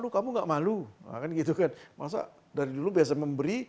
kamu gak malu masa dari dulu biasa memberi